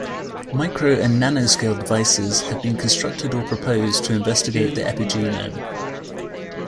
Micro- and nanoscale devices have been constructed or proposed to investigate the epigenome.